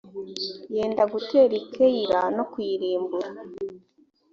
yenda gutera i keyila no kuyirimbura